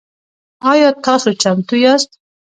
آیا تاسو چمتو یاست؟